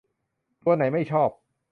ตัวไหนไม่ชอบ